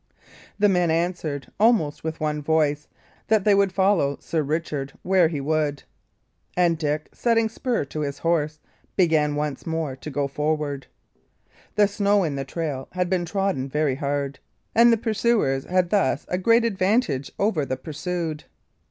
The men answered, almost with one voice, that they would follow Sir Richard where he would. And Dick, setting spur to his horse, began once more to go forward. The snow in the trail had been trodden very hard, and the pursuers had thus a great advantage over the pursued.